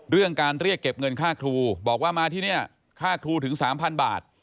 เรื่องการเรียกเก็บเงินค่าครูบอกว่ามาที่นี่ค่าครูถึง๓๐๐บาท